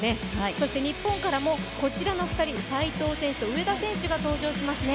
そして日本からもこちらの２人斉藤選手と上田選手が登場しますね。